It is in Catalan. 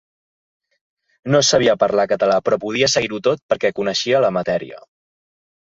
No sabia parlar català, però podia seguir-ho tot perquè coneixia la matèria.